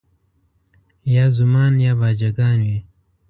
یا زومان یا باجه ګان وي